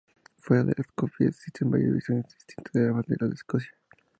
Fuera de Escocia existen varias versiones distintas de la bandera de Escocia.